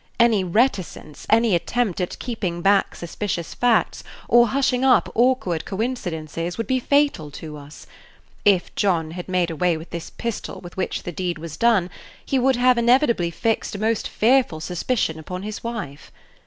Any reticence, any attempt at keeping back suspicious facts, or hushing up awkward coincidences, would be fatal to us. If John had made away with this pistol with which the deed was done, he would have inevitably fixed a most fearful suspicion upon his wife.